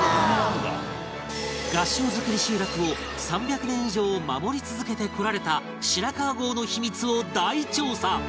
合掌造り集落を３００年以上守り続けてこられた白川郷の秘密を大調査